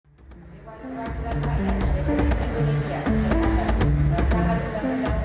di paling kelar jalan rakyat di indonesia